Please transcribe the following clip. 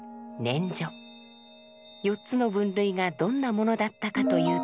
四つの分類がどんなものだったかというと。